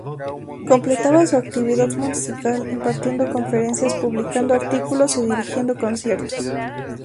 Completaba su actividad musical impartiendo conferencias, publicando artículos y dirigiendo conciertos.